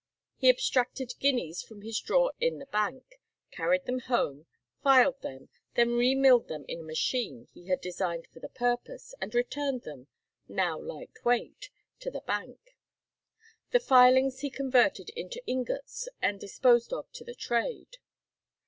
He abstracted guineas from his drawer in the Bank, carried them home, filed them, then remilled them in a machine he had designed for the purpose, and returned them now light weight to the Bank. The filings he converted into ingots and disposed of to the trade.